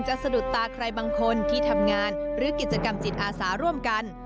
สะดุดตาใครบางคนที่ทำงานหรือกิจกรรมจิตอาสาร่วมกัน